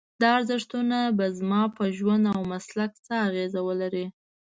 دا ارزښتونه به زما په ژوند او مسلک څه اغېز ولري؟